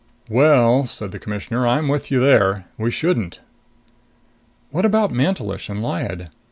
"Well," said the Commissioner, "I'm with you there. We shouldn't." "What about Mantelish and Lyad?